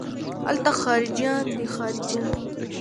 الته خارجيان دي خارجيان.